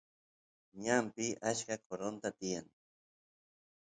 ñanpi achka qoronta tiyan